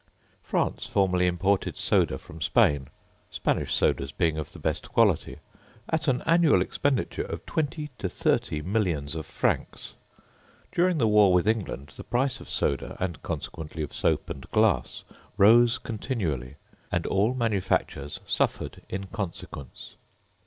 France formerly imported soda from Spain, Spanish sodas being of the best quality at an annual expenditure of twenty to thirty millions of francs. During the war with England the price of soda, and consequently of soap and glass, rose continually; and all manufactures suffered in consequence.